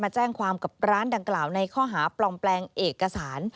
แจ้งความกับร้านดังกล่าวในข้อหาปลอมแปลงเอกสาร